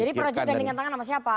jadi projek gandengan tangan sama siapa